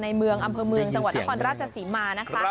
อำเภอเมืองอำเภอเมืองสังวัติรัฐภัณฑ์ราชศรีมานะคะ